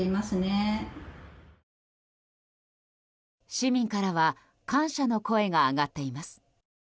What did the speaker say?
市民からは感謝の声が上がっています。